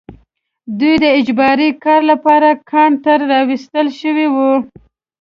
دوی د اجباري کار لپاره کان ته راوستل شوي وو